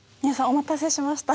お待たせしました。